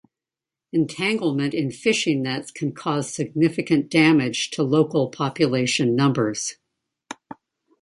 Entanglement in fishing nets can cause significant damage to local population numbers.